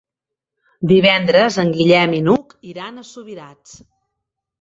Divendres en Guillem i n'Hug iran a Subirats.